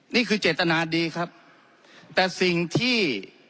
นี่คือเจตนาดีครับแต่สิ่งที่